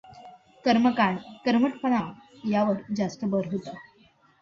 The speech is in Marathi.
कर्मकांड, कर्मठपणा यावर जास्त भर होता.